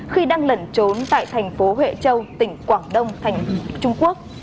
khi đang lẩn trốn tại thành phố huệ châu tỉnh quảng đông thành trung quốc